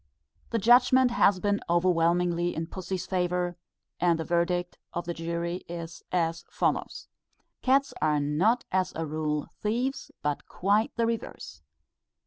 The judgment has been overwhelmingly in pussy's favour, and the verdict of the jury as follows: "_Cats are not as a rule thieves, but quite the reverse.